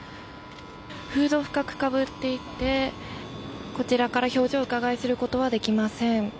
フードを深くかぶっていて、こちらから表情をうかがい知ることはできません。